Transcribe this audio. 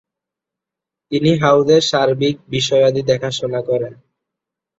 তিনি হাউসের সার্বিক বিষয়াদি দেখাশোনা করেন।